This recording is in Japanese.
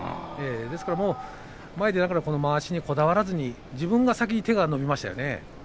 ですから、まわしにこだわらず自分が先に手が伸びましたね。